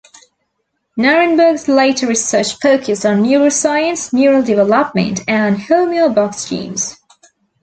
Nirenberg's later research focused on neuroscience, neural development, and the homeobox genes.